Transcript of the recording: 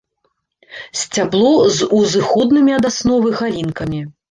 Сцябло з узыходнымі ад асновы галінкамі.